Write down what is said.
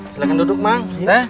silahkan duduk mang